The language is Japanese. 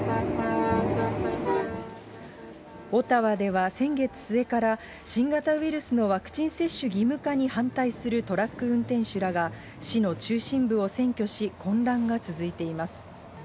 オタワでは、先月末から新型ウイルスのワクチン接種義務化に反対するトラック運転手らが、市の中心部を占拠し、混乱が続いています。